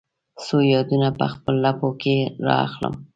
څو یادونه په خپل لپو کې را اخلم